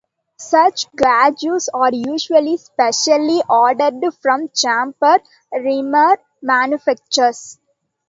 Such gauges are usually specially ordered from chamber-reamer manufacturers.